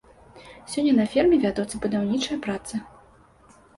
Сёння на ферме вядуцца будаўнічыя працы.